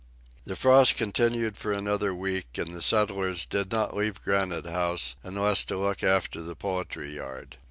The frost continued for another week, and the settlers did not leave Granite House unless to look after the poultry yard.